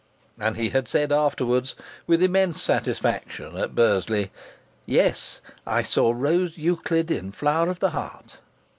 And he had said afterwards, with immense satisfaction, at Bursley: "Yes, I saw Rose Euclid in 'Flower of the Heart.'"